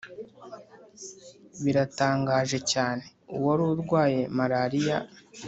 biratangaje cyane uwari urwaye malariya